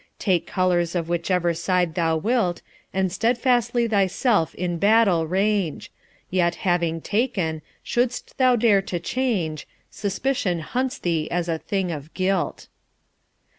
Take colours of whichever side thou wilt, And stedfastly thyself in battle range; Yet, having taken, shouldst thou dare to change, Suspicion hunts thee as a thing of guilt.